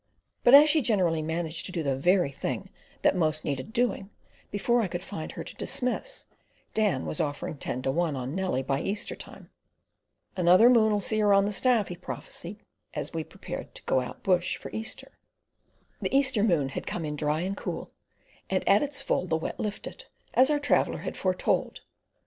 But as she generally managed to do the very thing that most needed doing, before I could find her to dismiss, Dan was offering ten to one on Nellie by Easter time. "Another moon'll see her on the staff," he prophesied, as we prepared to go out bush for Easter. The Easter moon had come in dry and cool, and at its full the Wet lifted, as our traveller had foretold.